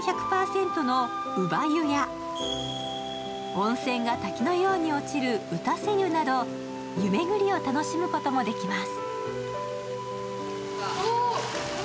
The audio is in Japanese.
温泉が滝のように落ちる打たせ湯など、湯巡りを楽しむこともできます。